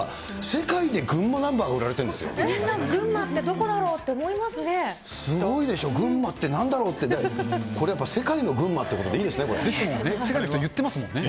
世界で群馬ナンバーが売られてるみんな、群馬ってどこだろうすごいでしょ、群馬ってなんだろうって、これやっぱ、世界の群馬ということでいですもんね。